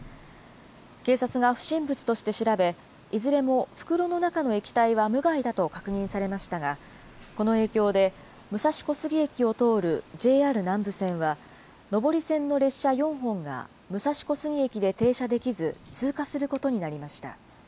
警察が不審物として調べ、いずれも袋の中の液体は無害だと確認されましたが、この影響で武蔵小杉駅を通るＪＲ南武線は、上り線の列車４本が武蔵小杉駅で停車できず、通過することになりました。